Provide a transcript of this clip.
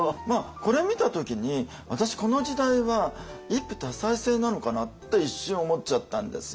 これ見た時に私この時代は一夫多妻制なのかなって一瞬思っちゃったんですよ。